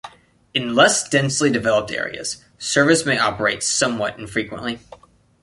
In less densely developed areas service may operate somewhat infrequently.